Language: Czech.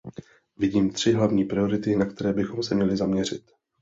Vidím tři hlavní priority, na které bychom se měli zaměřit.